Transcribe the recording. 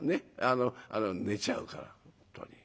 あのあの寝ちゃうから本当に」。